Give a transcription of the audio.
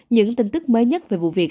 những tin tức mới nhất về vụ việc